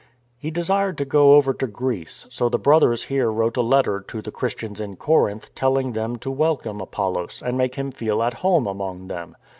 " He desired to go over to Greece; so the Brothers here wrote a letter to the Christians in Corinth tell ing them to welcome Apollos and make him feel at home among them.